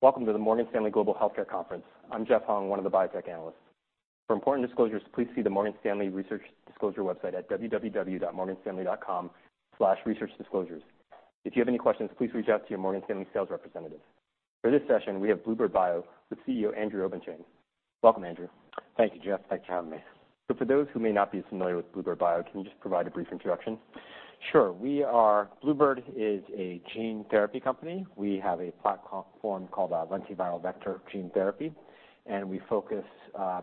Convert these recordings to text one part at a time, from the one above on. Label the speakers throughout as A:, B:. A: Welcome to the Morgan Stanley Global Healthcare Conference. I'm Jeff Hung, one of the biotech analysts. For important disclosures, please see the Morgan Stanley Research Disclosure website at www.morganstanley.com/researchdisclosures. If you have any questions, please reach out to your Morgan Stanley sales representative. For this session, we have bluebird bio with CEO, Andrew Obenshain. Welcome, Andrew.
B: Thank you, Jeff. Thanks for having me.
A: For those who may not be familiar with bluebird bio, can you just provide a brief introduction?
B: Sure. We are bluebird bio is a gene therapy company. We have a platform called lentiviral vector gene therapy, and we focus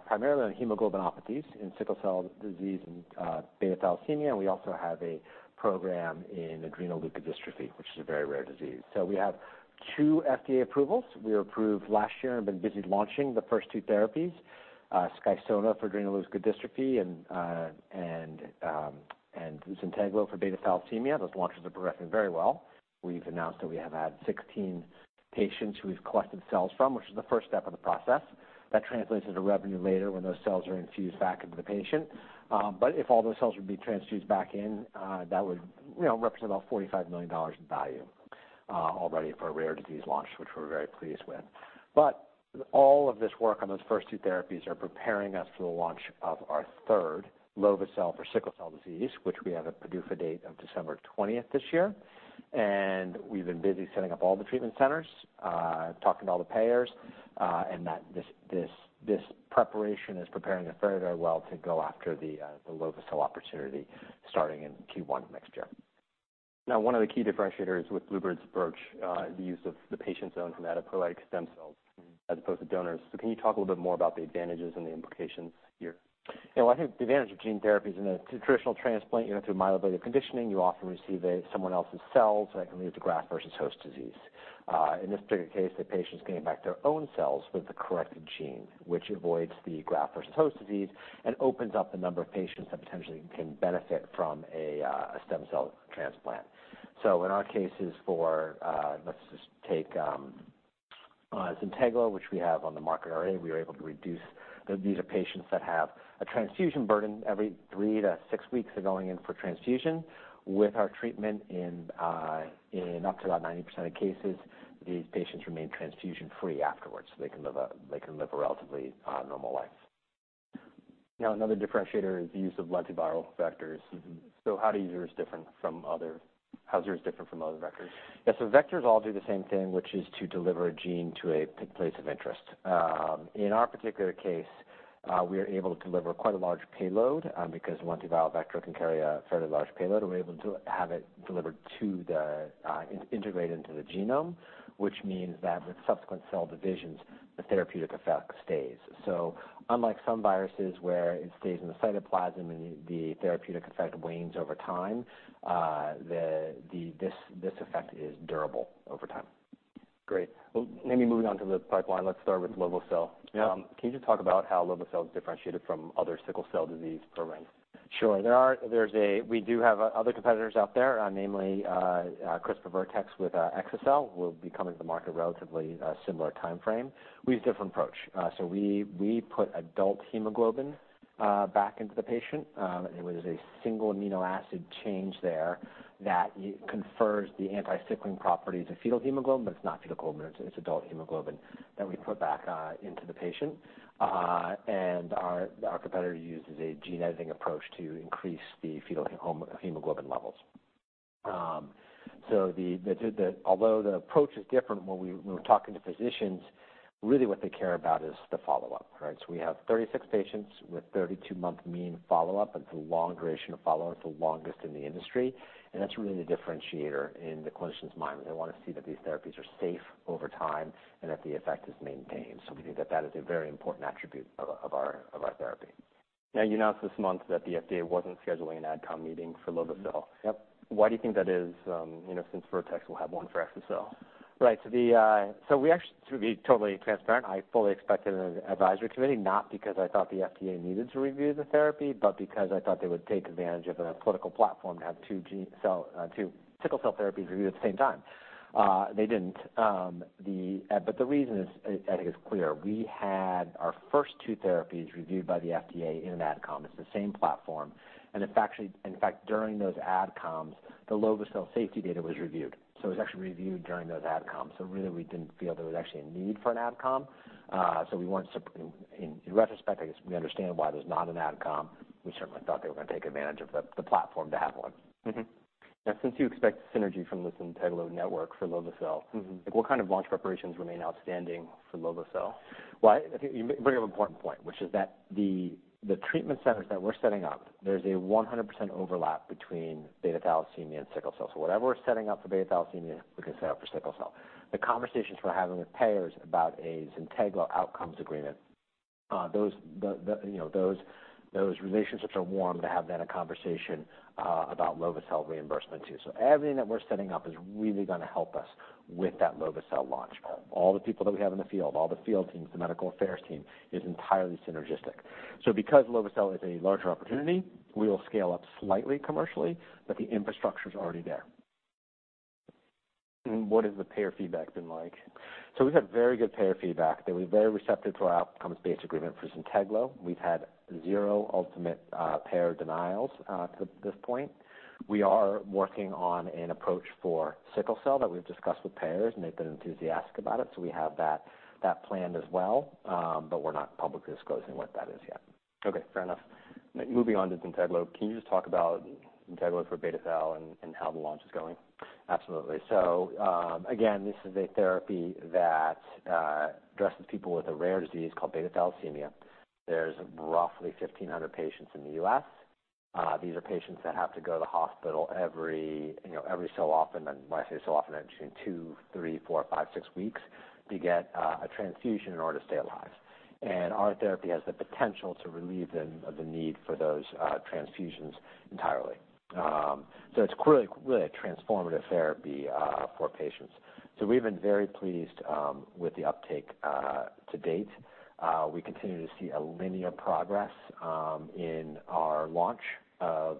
B: primarily on hemoglobinopathies in sickle cell disease and beta thalassemia, and we also have a program in adrenoleukodystrophy, which is a very rare disease. So we have two FDA approvals. We were approved last year and been busy launching the first two therapies, Skysona for adrenoleukodystrophy and Zynteglo for beta thalassemia. Those launches are progressing very well. We've announced that we have had 16 patients who we've collected cells from, which is the first step of the process. That translates into revenue later when those cells are infused back into the patient. But if all those cells would be transfused back in, that would, you know, represent about $45 million in value already for a rare disease launch, which we're very pleased with. But all of this work on those first two therapies are preparing us for the launch of our third, lovo-cel, for sickle cell disease, which we have a PDUFA date of December 20 this year, and we've been busy setting up all the treatment centers, talking to all the payers, and that preparation is preparing us very, very well to go after the lovo-cel opportunity starting in Q1 next year.
A: Now, one of the key differentiators with bluebird bio's approach, the use of the patient's own hematopoietic stem cells as opposed to donors. So can you talk a little bit more about the advantages and the implications here?
B: Yeah, well, I think the advantage of gene therapy is in a traditional transplant, you know, through myeloablative conditioning, you often receive someone else's cells, so that can lead to graft versus host disease. In this particular case, the patient's getting back their own cells with the corrected gene, which avoids the graft versus host disease and opens up the number of patients that potentially can benefit from a stem cell transplant. So in our cases for, let's just take Zynteglo, which we have on the market already, we were able to reduce... These are patients that have a transfusion burden. Every three to six weeks, they're going in for transfusion. With our treatment, in up to about 90% of cases, these patients remain transfusion-free afterwards, so they can live a, they can live a relatively normal life.
A: Now, another differentiator is the use of lentiviral vectors.
B: Mm-hmm.
A: So how is yours different from other vectors?
B: Yeah, so vectors all do the same thing, which is to deliver a gene to a place of interest. In our particular case, we are able to deliver quite a large payload, because lentiviral vector can carry a fairly large payload. We're able to have it delivered to the integrated into the genome, which means that with subsequent cell divisions, the therapeutic effect stays. So unlike some viruses where it stays in the cytoplasm and the therapeutic effect wanes over time, this effect is durable over time.
A: Great. Well, maybe moving on to the pipeline, let's start with lovo-cel.
B: Yeah.
A: Can you just talk about how lovo-cel is differentiated from other sickle cell disease programs?
B: Sure. We do have other competitors out there, namely, CRISPR Vertex with exa-cel, which will be coming to the market in a relatively similar timeframe. We use a different approach. So we put adult hemoglobin back into the patient with a single amino acid change there that confers the anti-sickling properties of fetal hemoglobin, but it's not fetal globin, it's adult hemoglobin that we put back into the patient. And our competitor uses a gene editing approach to increase the fetal hemoglobin levels. Although the approach is different, when we're talking to physicians, really what they care about is the follow-up, right? So we have 36 patients with 32-month mean follow-up, and it's a long duration of follow-up. It's the longest in the industry, and that's really the differentiator in the clinician's mind. They want to see that these therapies are safe over time and that the effect is maintained. So we think that that is a very important attribute of our, of our therapy.
A: Now, you announced this month that the FDA wasn't scheduling an AdCom meeting for lovo-cel.
B: Yep.
A: Why do you think that is, you know, since Vertex will have one for exa-cel?
B: Right. So we actually, to be totally transparent, I fully expected an advisory committee, not because I thought the FDA needed to review the therapy, but because I thought they would take advantage of a political platform to have two sickle cell therapies reviewed at the same time. They didn't. But the reason is, I think it's clear. We had our first two therapies reviewed by the FDA in an AdCom. It's the same platform, and in fact, in fact, during those AdComs, the lovo-cel safety data was reviewed. So it was actually reviewed during those AdComs. So really, we didn't feel there was actually a need for an AdCom. In retrospect, I guess we understand why there's not an AdCom. We certainly thought they were going to take advantage of the platform to have one.
A: Mm-hmm. Now, since you expect synergy from the Zynteglo network for lovo-cel-
B: Mm-hmm.
A: What kind of launch preparations remain outstanding for lovo-cel?
B: Well, I think you bring up an important point, which is that the treatment centers that we're setting up, there's a 100% overlap between beta thalassemia and sickle cell. So whatever we're setting up for beta thalassemia, we can set up for sickle cell. The conversations we're having with payers about a Zynteglo outcomes agreement, those, you know, those relationships are warm to then have a conversation about lovo-cel reimbursement, too. So everything that we're setting up is really going to help us with that lovo-cel launch. All the people that we have in the field, all the field teams, the medical affairs team, is entirely synergistic. So because lovo-cel is a larger opportunity, we will scale up slightly commercially, but the infrastructure is already there.
A: What has the payer feedback been like?
B: So we've had very good payer feedback. They were very receptive to our outcomes-based agreement for Zynteglo. We've had zero ultimate payer denials to this point. We are working on an approach for sickle cell that we've discussed with payers, and they've been enthusiastic about it, so we have that, that planned as well, but we're not publicly disclosing what that is yet....
A: Okay, fair enough. Moving on to Zynteglo, can you just talk about Zynteglo for beta thal and, and how the launch is going?
B: Absolutely. So, again, this is a therapy that addresses people with a rare disease called beta-thalassemia. There's roughly 1,500 patients in the U.S. These are patients that have to go to the hospital every, you know, every so often, and when I say so often, I mean, two, three, four, five, six weeks, to get a transfusion in order to stay alive. And our therapy has the potential to relieve them of the need for those transfusions entirely. So it's really, really a transformative therapy for patients. So we've been very pleased with the uptake to date. We continue to see a linear progress in our launch of,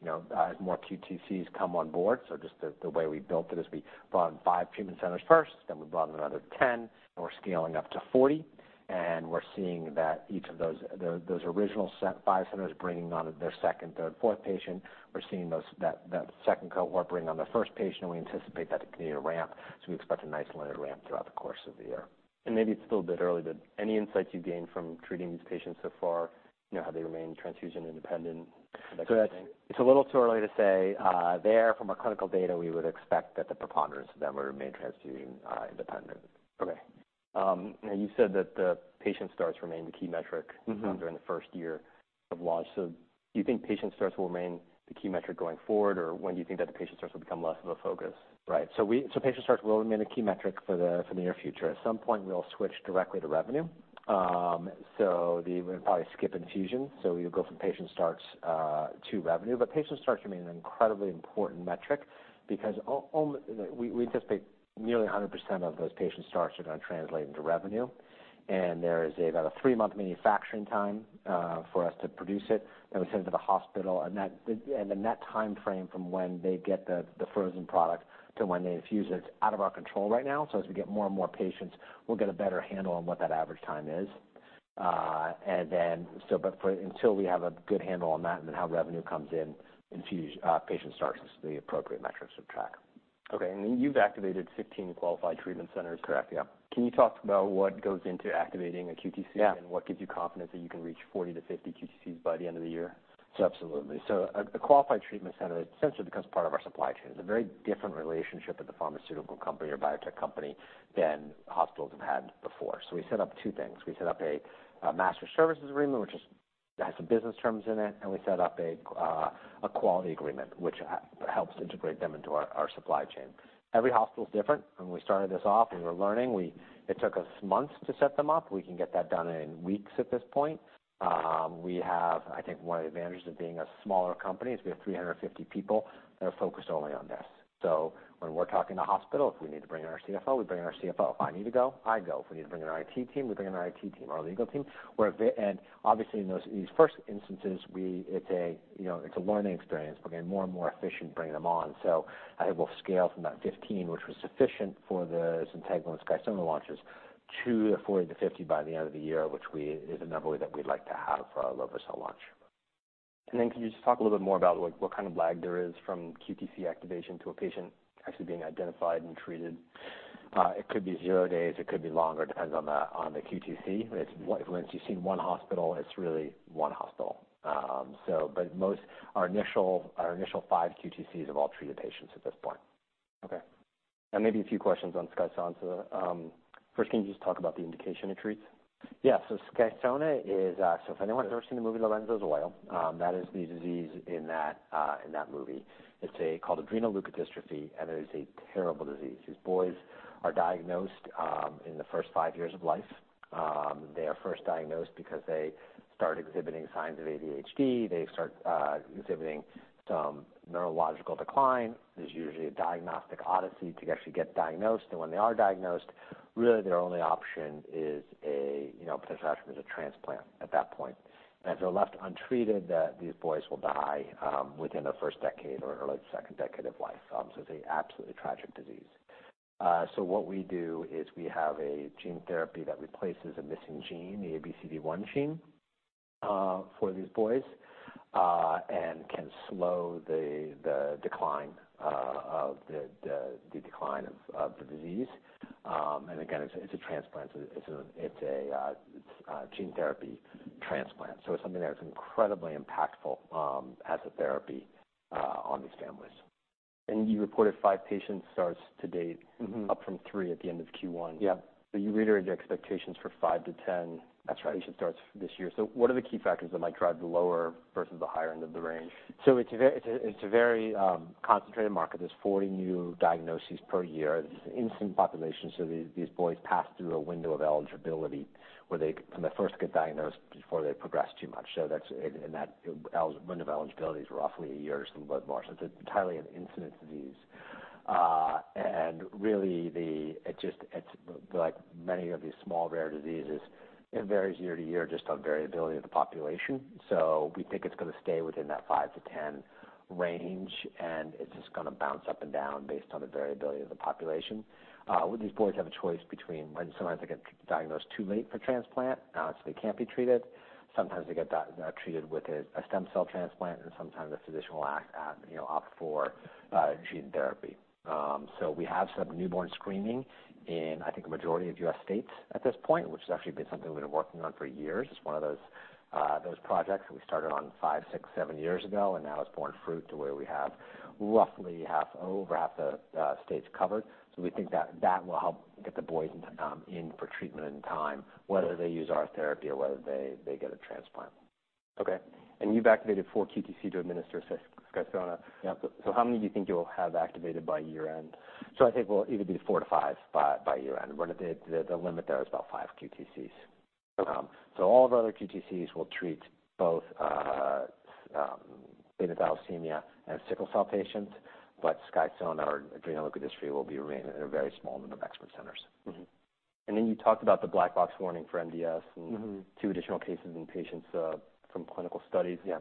B: you know, as more QTCs come on board. So just the way we built it is we brought in five treatment centers first, then we brought in another 10, and we're scaling up to 40. And we're seeing that each of those original set, five centers, bringing on their second, third, fourth patient. We're seeing that second cohort bring on their first patient, and we anticipate that to continue to ramp, so we expect a nice linear ramp throughout the course of the year.
A: Maybe it's still a bit early, but any insights you've gained from treating these patients so far? You know, have they remained transfusion independent, that kind of thing?
B: So it's a little too early to say. From our clinical data, we would expect that the preponderance of them were remain transfusion independent.
A: Okay. Now you said that the patient starts remain the key metric-
B: Mm-hmm.
A: during the first year of launch. So do you think patient starts will remain the key metric going forward, or when do you think that the patient starts will become less of a focus?
B: Right. So patient starts will remain a key metric for the near future. At some point, we'll switch directly to revenue. We'll probably skip infusion, so we'll go from patient starts to revenue. But patient starts remain an incredibly important metric because we anticipate nearly 100% of those patient starts are going to translate into revenue. And there is about a three-month manufacturing time for us to produce it. Then we send it to the hospital, and then that time frame from when they get the frozen product to when they infuse it is out of our control right now. So as we get more and more patients, we'll get a better handle on what that average time is. But for... Until we have a good handle on that and then how revenue comes in, infusion, patient starts is the appropriate metrics to track.
A: Okay. And you've activated 16 Qualified Treatment Centers?
B: Correct. Yeah.
A: Can you talk about what goes into activating a QTC-
B: Yeah
A: What gives you confidence that you can reach 40-50 QTCs by the end of the year?
B: So absolutely. A qualified treatment center essentially becomes part of our supply chain. It's a very different relationship with the pharmaceutical company or biotech company than hospitals have had before. So we set up two things. We set up a master services agreement, which has some business terms in it, and we set up a quality agreement, which helps integrate them into our supply chain. Every hospital is different. When we started this off, we were learning. It took us months to set them up. We can get that done in weeks at this point. I think one of the advantages of being a smaller company is we have 350 people that are focused only on this. So when we're talking to hospitals, if we need to bring in our CFO, we bring in our CFO. If I need to go, I go. If we need to bring in our IT team, we bring in our IT team, our legal team. And obviously, in those, these first instances, it's a, you know, it's a learning experience. We're getting more and more efficient, bringing them on. So I think we'll scale from that 15, which was sufficient for the Zynteglo and Skysona launches, to the 40-50 by the end of the year, which is a number that we'd like to have for our lovo-cel launch.
A: Then can you just talk a little bit more about what kind of lag there is from QTC activation to a patient actually being identified and treated?
B: It could be zero days, it could be longer, depends on the QTC. It's once you've seen one hospital, it's really one hospital. So but most our initial five QTCs have all treated patients at this point.
A: Okay. Maybe a few questions on Skysona. First, can you just talk about the indication it treats?
B: Yeah. So Skysona is, so if anyone's ever seen the movie Lorenzo's Oil, that is the disease in that, in that movie. It's called adrenoleukodystrophy, and it is a terrible disease. These boys are diagnosed, in the first five years of life. They are first diagnosed because they start exhibiting signs of ADHD. They start exhibiting some neurological decline. There's usually a diagnostic odyssey to actually get diagnosed. And when they are diagnosed, really, their only option is, you know, potentially a transplant at that point. And if they're left untreated, these boys will die, within the first decade or early second decade of life. So it's an absolutely tragic disease. So what we do is we have a gene therapy that replaces a missing gene, the ABCD1 gene, for these boys, and can slow the decline of the disease. And again, it's a gene therapy transplant. So it's something that is incredibly impactful as a therapy on these families.
A: And you reported five patient starts to date?
B: Mm-hmm.
A: Up from three at the end of Q1.
B: Yeah.
A: You reiterate your expectations for 5-10-
B: That's right.
A: Patient starts this year. So what are the key factors that might drive the lower versus the higher end of the range?
B: So it's a very concentrated market. There's 40 new diagnoses per year. This is an incident population, so these boys pass through a window of eligibility, where when they first get diagnosed, before they progress too much. So that's in that window of eligibility is roughly a year or something a little bit more. So it's entirely an incident disease. And really, it just, it's like many of these small, rare diseases, it varies year to year, just on variability of the population. So we think it's going to stay within that 5-10 range, and it's just going to bounce up and down based on the variability of the population. Well, these boys have a choice between when sometimes they get diagnosed too late for transplant, so they can't be treated. Sometimes they get treated with a stem cell transplant, and sometimes a physician will act, you know, opt for gene therapy. So we have some newborn screening in, I think, a majority of U.S. states at this point, which has actually been something we've been working on for years. It's one of those projects we started on five, six, seven years ago, and now it's borne fruit to where we have roughly half, over half the states covered. So we think that that will help get the boys in for treatment in time, whether they use our therapy or whether they get a transplant....
A: Okay, and you've activated 4 QTC to administer Skysona.
B: Yeah.
A: So, how many do you think you'll have activated by year-end?
B: I think we'll either be four-five by year-end. What are the limit there is about 5 QTCs.
A: Okay.
B: So all of our other QTCs will treat both beta thalassemia and sickle cell patients, but Skysona, our adrenoleukodystrophy, will be remained in a very small number of expert centers.
A: Mm-hmm. And then you talked about the black box warning for MDS-
B: Mm-hmm.
A: -and two additional cases in patients from clinical studies.
B: Yeah.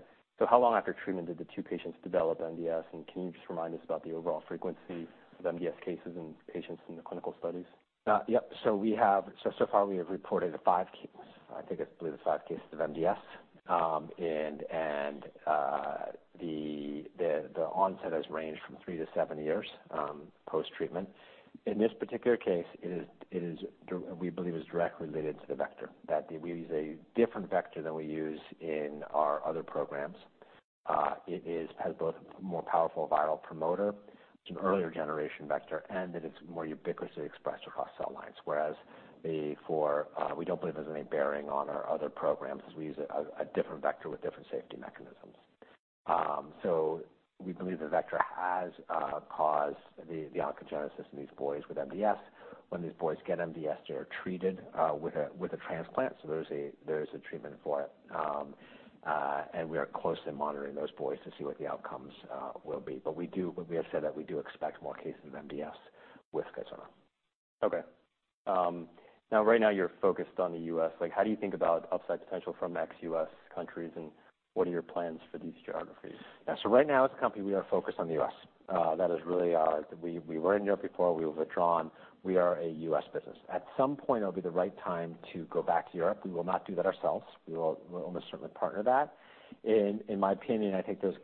A: How long after treatment did the two patients develop MDS? Can you just remind us about the overall frequency of MDS cases in patients in the clinical studies?
B: Yep. So far, we have reported five cases. I think it's, believe it's five cases of MDS. And the onset has ranged from three to seven years post-treatment. In this particular case, we believe it is directly related to the vector. That we use a different vector than we use in our other programs. It has both a more powerful viral promoter, it's an earlier generation vector, and that it's more ubiquitously expressed across cell lines. Whereas, for, we don't believe there's any bearing on our other programs, as we use a different vector with different safety mechanisms. So we believe the vector has caused the oncogenesis in these boys with MDS. When these boys get MDS, they are treated with a transplant, so there's a treatment for it. And we are closely monitoring those boys to see what the outcomes will be. But we have said that we do expect more cases of MDS with Skysona.
A: Okay. Now, right now, you're focused on the U.S. Like, how do you think about upside potential from ex-U.S. countries, and what are your plans for these geographies?
B: Yeah. So right now, as a company, we are focused on the U.S. That is really our... We were in Europe before. We withdrawn. We are a U.S. business. At some point, it'll be the right time to go back to Europe. We will not do that ourselves. We will, we'll almost certainly partner that. In my opinion, I think there's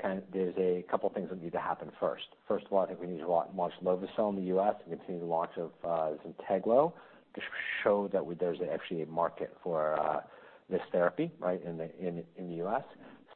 B: a couple of things that need to happen first. First of all, I think we need to launch lovo-cel in the U.S. and continue the launch of Zynteglo, to show that there's actually a market for this therapy, right, in the U.S.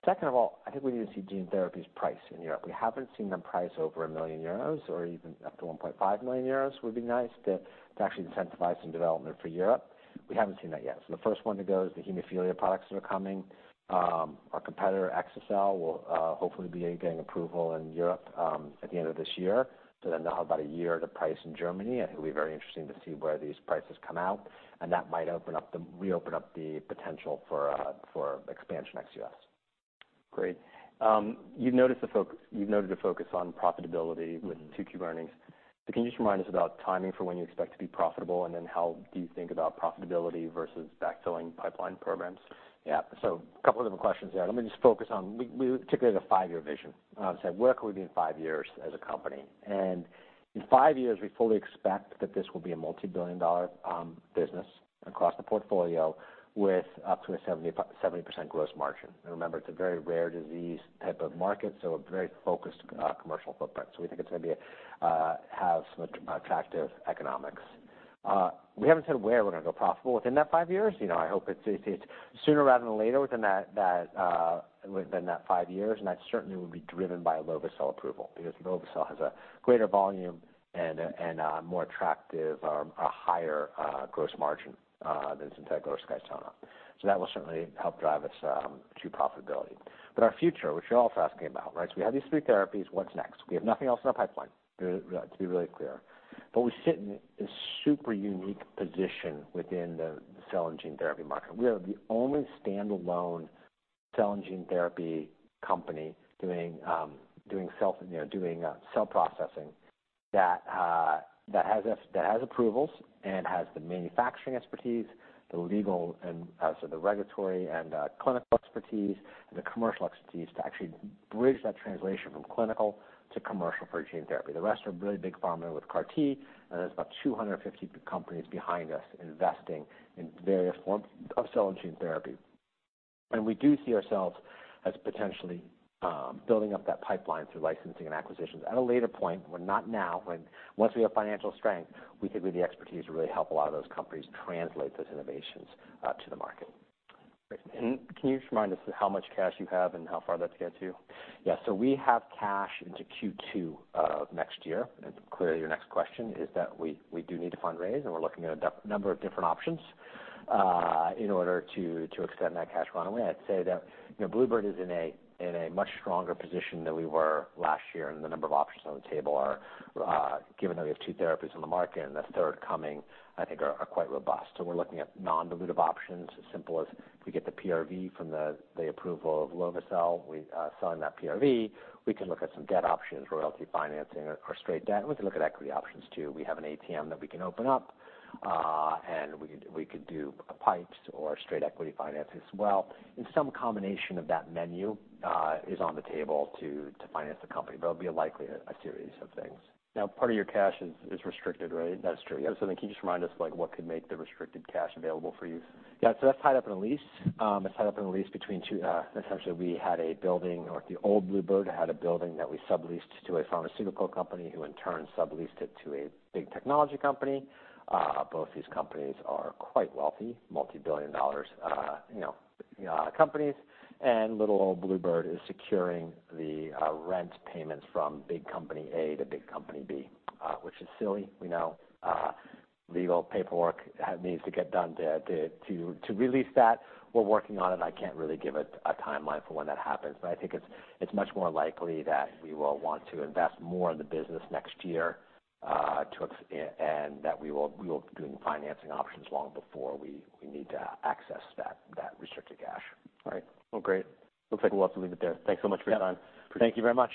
B: Second of all, I think we need to see gene therapies price in Europe. We haven't seen them price over 1 million euros, or even up to 1.5 million euros would be nice, to actually incentivize some development for Europe. We haven't seen that yet. So the first one to go is the hemophilia products that are coming. Our competitor, exa-cel, will hopefully be getting approval in Europe at the end of this year. So then they'll have about a year to price in Germany. I think it'll be very interesting to see where these prices come out, and that might open up the... reopen up the potential for expansion ex-US.
A: Great. You've noted a focus on profitability with Q2 earnings. Can you just remind us about timing for when you expect to be profitable, and then how do you think about profitability versus backfilling pipeline programs?
B: Yeah. So a couple of different questions there. Let me just focus on, we particularly have a five-year vision. So where could we be in five years as a company? And in five years, we fully expect that this will be a multibillion-dollar business across the portfolio, with up to 70%-70% gross margin. And remember, it's a very rare disease type of market, so a very focused commercial footprint. So we think it's gonna be have some attractive economics. We haven't said where we're gonna go profitable within that five years. You know, I hope it's sooner rather than later within that five years, and that certainly will be driven by lovo-cel approval. Because lovo-cel has a greater volume and a more attractive, or a higher, gross margin than Zynteglo or Skysona. So that will certainly help drive us to profitability. But our future, which you're also asking about, right? So we have these three therapies. What's next? We have nothing else in our pipeline, to be really clear. But we sit in a super unique position within the cell and gene therapy market. We are the only standalone cell and gene therapy company doing self, you know, cell processing that has approvals and has the manufacturing expertise, the legal and so the regulatory and clinical expertise, and the commercial expertise to actually bridge that translation from clinical to commercial for a gene therapy. The rest are really big pharma with CAR-T, and there's about 250 companies behind us investing in various forms of cell and gene therapy. And we do see ourselves as potentially building up that pipeline through licensing and acquisitions at a later point, but not now. Once we have financial strength, we think with the expertise to really help a lot of those companies translate those innovations to the market.
A: Great. Can you just remind us how much cash you have and how far that's going to get you?
B: Yeah. So we have cash into Q2 of next year. And clearly, your next question is that we do need to fundraise, and we're looking at a number of different options in order to extend that cash runway. I'd say that, you know, bluebird bio is in a much stronger position than we were last year, and the number of options on the table are given that we have two therapies on the market and the third coming, I think are quite robust. So we're looking at non-dilutive options, as simple as if we get the PRV from the approval of lovo-cel, we selling that PRV. We can look at some debt options, royalty financing or straight debt. We can look at equity options, too. We have an ATM that we can open up, and we could do a PIPEs or straight equity financing as well. In some combination of that menu, is on the table to finance the company, but it'll be likely a series of things.
A: Now, part of your cash is restricted, right?
B: That's true, yeah.
A: Can you just remind us, like, what could make the restricted cash available for you?
B: Yeah. So that's tied up in a lease. It's tied up in a lease between two. Essentially, we had a building, or the old Bluebird had a building that we subleased to a pharmaceutical company, who in turn, subleased it to a big technology company. Both these companies are quite wealthy, multibillion dollars, you know, companies. And little old Bluebird is securing the rent payments from big company A to big company B, which is silly, we know. Legal paperwork needs to get done to release that. We're working on it. I can't really give a timeline for when that happens, but I think it's much more likely that we will want to invest more in the business next year to expand and that we will be doing financing options long before we will need to access that restricted cash.
A: All right. Well, great. Looks like we'll have to leave it there. Thanks so much for your time.
B: Thank you very much.